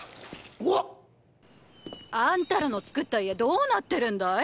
うわっ⁉あんたらの作った家どうなってるんだい